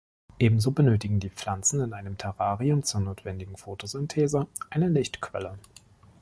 Ebenso benötigen die Pflanzen in einem Terrarium zur notwendigen Photosynthese, eine Lichtquelle.